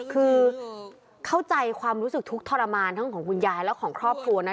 คือเข้าใจความรู้สึกทุกข์ทรมานทั้งของคุณยายและของครอบครัวนั้น